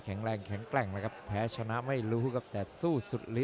แข็งแรงแข็งแกร่งครับแพ้ชนะไม่รู้